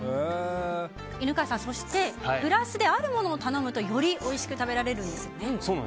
犬飼さんそしてプラスであるものを頼むとよりおいしく食べられるんですよね。